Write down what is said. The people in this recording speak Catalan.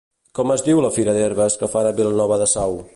Com es diu la fira d'herbes que fan a Vilanova de Sau?